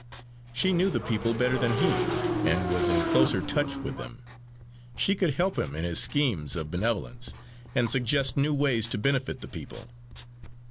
She knew the people better than he, and was in closer touch with them; she could help him in his schemes of benevolence, and suggest new ways to benefit the people.